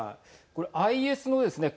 これＩＳのですね